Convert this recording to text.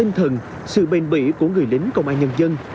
tinh thần sự bền bỉ của người lính công an nhân dân